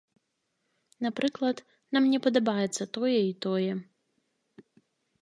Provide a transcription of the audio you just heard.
Напрыклад, нам не падабаецца тое і тое.